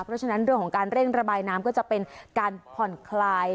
เพราะฉะนั้นเรื่องของการเร่งระบายน้ำก็จะเป็นการผ่อนคลาย